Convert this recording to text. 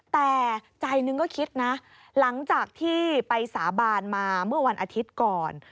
แต่ใจหนึ่งก็คิดนะหลังจากที่ไปสาบานมาเมื่อวันอาทิตย์ก่อน